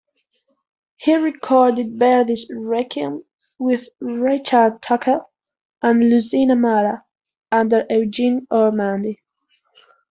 He recorded Verdi's "Requiem" with Richard Tucker and Lucine Amara, under Eugene Ormandy.